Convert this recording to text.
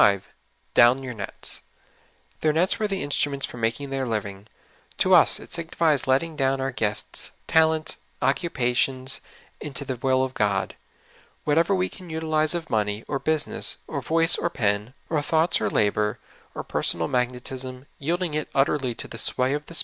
''Down your nets.'' Their nets were the in struments for making their living. To us it signifies letting down our gifts, talents, occupations, into the will of God. Whatever we can utilize of money or business, or voice or pen, or thoughts or labor, or per sonal magnetism, yielding it utterly to the sway of the 88 SOUL FOOD.